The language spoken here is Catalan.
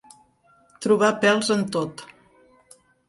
Trobar pèls en tot.